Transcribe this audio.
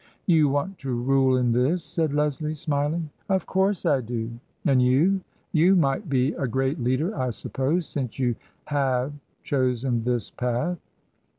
" You want to rule in this ?" said Leslie, smiling. " Of course I do. And you ? You might be a great leader, I suppose, since you have chosen this path